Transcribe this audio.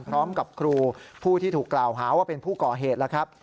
พร้อมกับครูผู้ที่ถูกกล่าวหาว่าเป็นผู้ก่อเหตุแล้วครับ